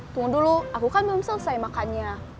tunggu dulu aku kan belum selesai makannya